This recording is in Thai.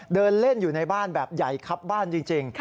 เดินเล่นอยู่ในบ้านแบบใหญ่ครับบ้านจริง